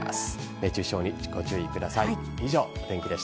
熱中症にご注意ください。